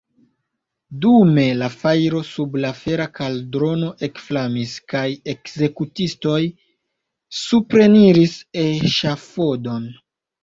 Dume la fajro sub la fera kaldrono ekflamis, kaj ekzekutistoj supreniris eŝafodon.